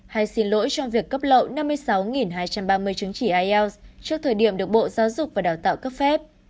hay xin lỗi trong việc cấp lậu năm mươi sáu hai trăm ba mươi chứng chỉ ielts trước thời điểm được bộ giáo dục và đào tạo cấp phép